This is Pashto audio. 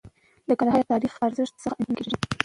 د کندهار د تاریخي ارزښت څخه انکار نه کيږي.